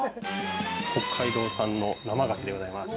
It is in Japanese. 北海道産の生ガキでございます。